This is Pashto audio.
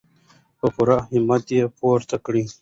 په پوره همت یې پوره کړو.